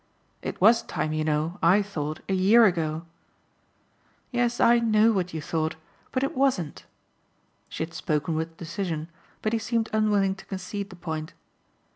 "It was time, you know, I thought, a year ago." "Yes, I know what you thought. But it wasn't." She had spoken with decision, but he seemed unwilling to concede the point.